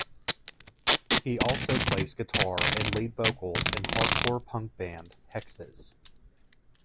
He also plays guitar and lead vocals in hardcore punk band, Hexes.